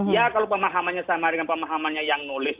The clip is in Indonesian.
ya kalau pemahamannya sama dengan pemahamannya yang nulis